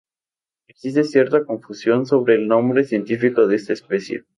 Existe cierta confusión sobre el nombre científico de esta especie.